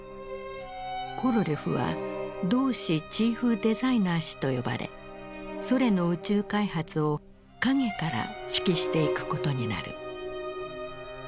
コロリョフは同志チーフデザイナー氏と呼ばれソ連の宇宙開発を陰から指揮していくことになる。